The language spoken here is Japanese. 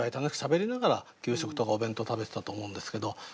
楽しくしゃべりながら給食とかお弁当食べてたと思うんですけど。